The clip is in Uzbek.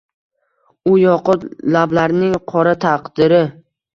U yoqut lablarning qora taqdiri.